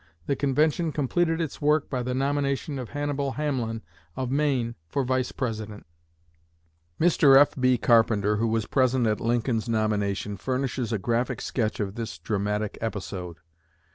The convention completed its work by the nomination of Hannibal Hamlin of Maine for Vice President. Mr. F.B. Carpenter, who was present at Lincoln's nomination, furnishes a graphic sketch of this dramatic episode.